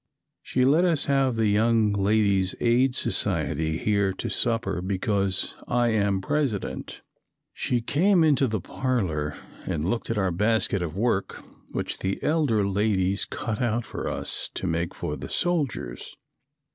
She let us have the Young Ladies' Aid Society here to supper because I am President. She came into the parlor and looked at our basket of work, which the elder ladies cut out for us to make for the soldiers.